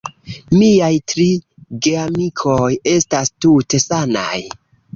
Miaj tri geamikoj estas tute sanaj.